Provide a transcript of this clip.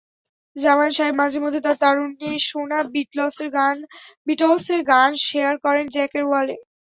জামান সাহেব মাঝেমধ্যে তাঁর তারুণ্যে শোনা বিটলসের গান শেয়ার করেন জ্যাকের ওয়ালে।